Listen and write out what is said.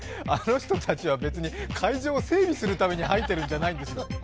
あの人たちは別に会場を整備するためにはいてるわけじゃないです。